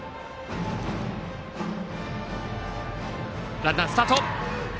ランナー、スタート。